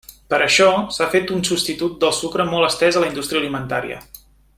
Per això, s'ha fet un substitut del sucre molt estès a la indústria alimentària.